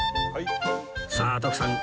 さあ徳さん